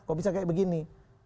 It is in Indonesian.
kok bisa kayak begini